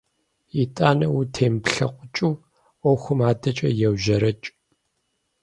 ИтӀанэ, утемыплъэкъукӀыу, Ӏуэхум адэкӀэ еужьэрэкӀ.